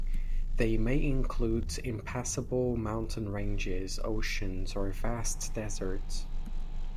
They may include impassable mountain ranges, oceans, or vast deserts.